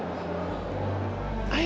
kamu harus berhati hati